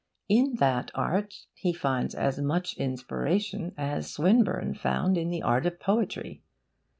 In that art he finds as much inspiration as Swinburne found in the art of poetry.